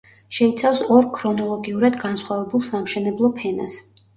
შეიცავს ორ ქრონოლოგიურად განსხვავებულ სამშენებლო ფენას.